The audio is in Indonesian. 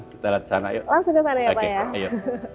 langsung ke sana ya pak ya